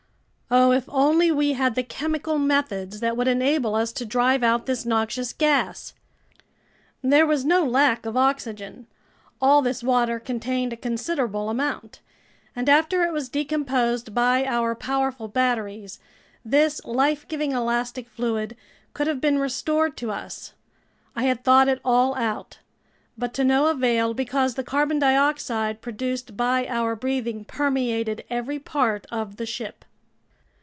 Oh, if only we had the chemical methods that would enable us to drive out this noxious gas! There was no lack of oxygen. All this water contained a considerable amount, and after it was decomposed by our powerful batteries, this life giving elastic fluid could have been restored to us. I had thought it all out, but to no avail because the carbon dioxide produced by our breathing permeated every part of the ship.